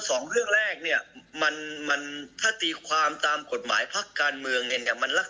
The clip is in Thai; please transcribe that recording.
สองเรื่องแรกเนี่ยถ้าตีความตามกฎหมายภักดิ์การเมืองเนี่ย